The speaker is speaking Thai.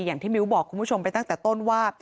อย่างที่มิ้วบอกคุณผู้ชมไปตั้งแต่ต้นว่า